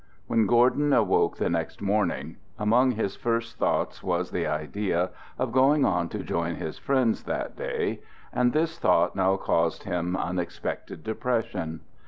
When Gordon awoke the next morning among his first thoughts was the idea of going on to join his friends that day, and this thought now caused him unexpected depression.